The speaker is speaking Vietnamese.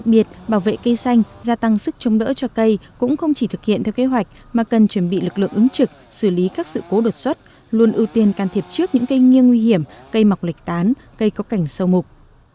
đặc biệt bảo vệ cây xanh gia tăng sức chống đỡ cho cây cũng không chỉ thực hiện theo kế hoạch mà cần chuẩn bị lực lượng ứng trực xử lý các sự cố đột xuất luôn ưu tiên can thiệp trước những cây nghiêng nguy hiểm cây mọc lệch tán cây có cảnh sâu mục